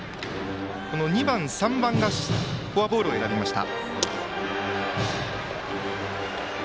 ２番、３番がフォアボールを選びました。